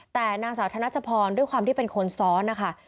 แต่นางสาวธนัชพรด้วยความที่เป็นคนซ้อนนะคะ